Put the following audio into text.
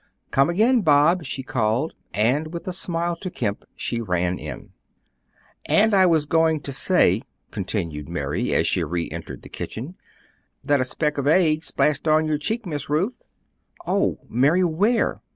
"Come again, Bob," she called, and with a smile to Kemp she ran in. "And I was going to say," continued Mary, as she re entered the kitchen, "that a speck of aig splashed on your cheek, Miss Ruth." "Oh, Mary, where?"